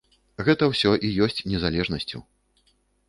Гэта ўсё і ёсць незалежнасцю.